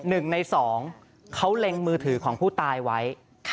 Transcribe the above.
หนึ่งในสองเขาเล็งมือถือของผู้ตายไว้